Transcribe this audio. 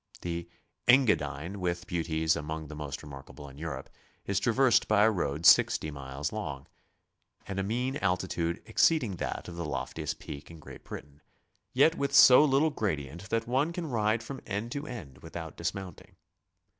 The Engadine, with beauties among the mos't remarkable in Europe, is traversed by a road 6o miles long, at a mean altitude exceeding that of the lofti est peak in Great Britain, yet with so little gradient that one can ride from end to end without dismounting.